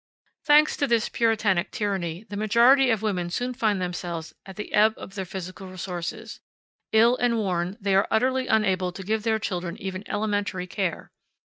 Thanks to this Puritanic tyranny, the majority of women soon find themselves at the ebb of their physical resources. Ill and worn, they are utterly unable to give their children even elementary care.